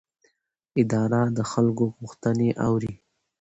اداره د خلکو غوښتنې اوري.